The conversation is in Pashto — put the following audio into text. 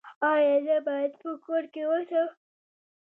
ایا زه باید په کور کې اوسم؟